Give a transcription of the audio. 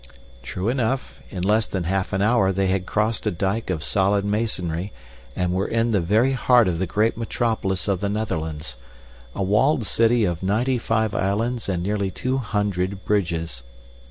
True enough, in less than half an hour they had crossed a dike of solid masonry and were in the very heart of the great metropolis of the Netherlands a walled city of ninety five islands and nearly two hundred bridges.